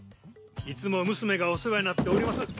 いつも娘がお世話になっております。